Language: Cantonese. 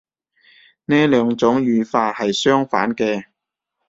呢兩種語法係相反嘅